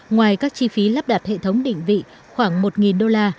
ngoài các chi phí lắp đặt hệ thống định vị khoảng một đô la